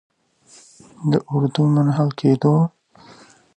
د اردو د منحل کیدو